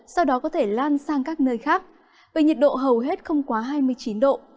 sau đó có thể lan sang các nơi khác về nhiệt độ hầu hết không quá hai mươi chín độ